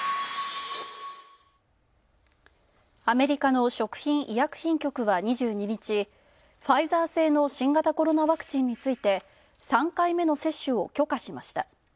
アメリカの食品医薬品局は２２日、ファイザー製の新型コロナワクチンについて３回目の接種を許可しました。